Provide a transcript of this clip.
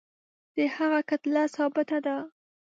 د هغه کتله ثابته ده.